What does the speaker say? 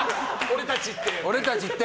俺たちって。